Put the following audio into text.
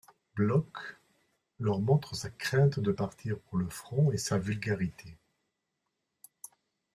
Bloch leur montre sa crainte de partir pour le front et sa vulgarité.